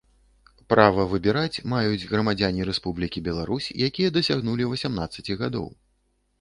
права выбіраць маюць грамадзяне Рэспублікі Беларусь, якія дасягнулі васемнадцаці гадоў.